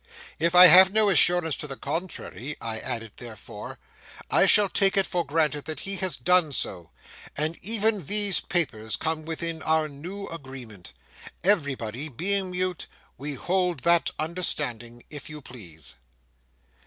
'If I have no assurance to the contrary,' I added, therefore, 'I shall take it for granted that he has done so, and that even these papers come within our new agreement. Everybody being mute, we hold that understanding if you please.